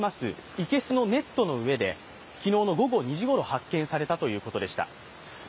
生けすのネットの上で昨日の午後２時ごろ、発見されたということでした。